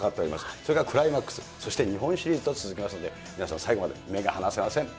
それからクライマックス、そして日本シリーズと続きますんで、皆さん、最後まで目が離せません。